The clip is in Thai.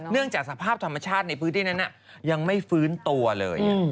จากสภาพธรรมชาติในพื้นที่นั้นยังไม่ฟื้นตัวเลย